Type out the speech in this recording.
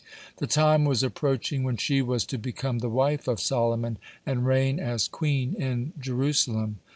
The time was approaching when she was to become the wife of Solomon (89) and reign as queen in Jerusalem.